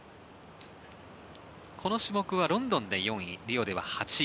この種目はロンドンで４位リオでは８位。